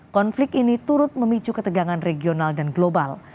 konflik ini turut memicu ketegangan regional dan global